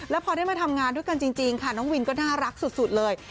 แล้วพอได้มาทำงานด้วยกันจริงค่ะน้องวินก็น่ารักสุดเลย